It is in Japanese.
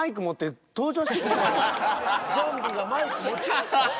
ゾンビがマイク持ちました？